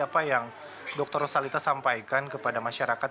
apa yang dokter rosalita sampaikan kepada masyarakat